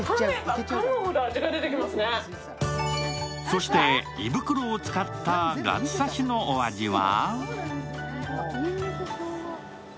そして、胃袋を使ったガツ刺のお味は？